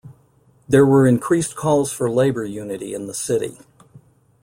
There were increased calls for labour unity in the city.